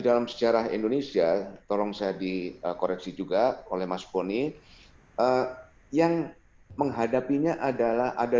dalam sejarah indonesia tolong saya dikoreksi juga oleh mas poni yang menghadapinya adalah ada